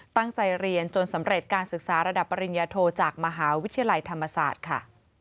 ตั้งใจเรียนจนสำเร็จการศึกษาระดับปริญญาโทจากมหาวิทยาลัยธรรมศาสตร์ค่ะ